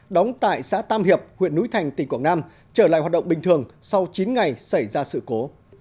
đóng tại xã tam hiệp huyện núi thành tỉnh quảng nam trở lại hoạt động bình thường sau chín ngày xảy ra sự cố